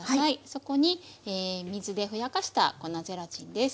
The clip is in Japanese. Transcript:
そこに水でふやかした粉ゼラチンです。